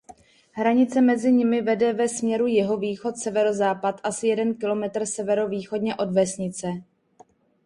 Hranice mezi nimi vede ve směru jihovýchod–severozápad asi jeden kilometr severovýchodně od vesnice.